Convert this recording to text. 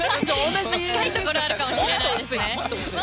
近いところはあるかもしれないですね。